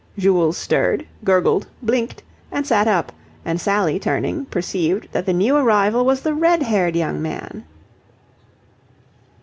Jules stirred, gurgled, blinked, and sat up, and Sally, turning, perceived that the new arrival was the red haired young man.